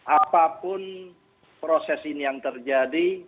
apapun proses ini yang terjadi